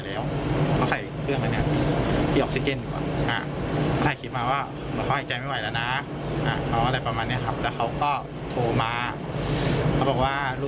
แล้วก็มีเสียงเหมือนพยาบาล